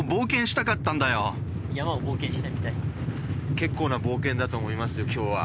結構な冒険だと思いますよ今日は。